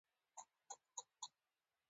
د زلزلزلې په مقابل کې باید خلک تیاری ونیسئ.